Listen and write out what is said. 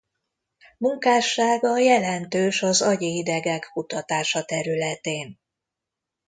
Munkássága jelentős az agyi idegek kutatása területén.